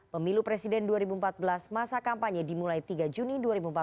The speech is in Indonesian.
pemilu presiden dua ribu empat belas masa kampanye dimulai tiga juni dua ribu empat belas